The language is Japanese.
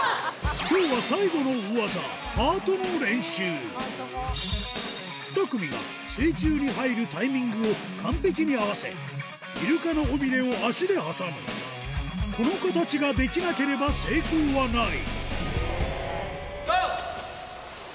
今日は２組が水中に入るタイミングを完璧に合わせイルカの尾ビレを足で挟むこの形ができなければ成功はない・ゴー！